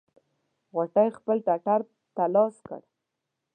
غوټۍ خپل ټټر ته لاس کړ.